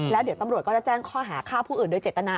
แล้วเดี๋ยวตำรวจก็จะแจ้งข้อหาฆ่าผู้อื่นโดยเจตนา